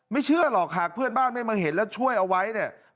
เชื่อหรอกหากเพื่อนบ้านไม่มาเห็นแล้วช่วยเอาไว้เนี่ย